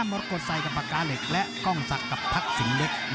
มดกดใส่กับปากกาเหล็กและกล้องศักดิ์กับทักษิณเล็ก